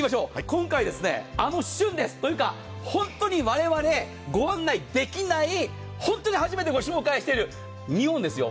今回、あの旬です！というか本当に我々ご案内できない本当に初めてご紹介している２本ですよ